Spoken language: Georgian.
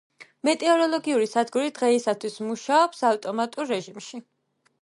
მეტეოროლოგიური სადგური დღეისათვის მუშაობს ავტომატურ რეჟიმში.